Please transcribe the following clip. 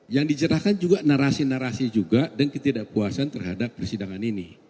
yang dijerahkan juga narasi narasi juga dan ketidakpuasan terhadap persidangan ini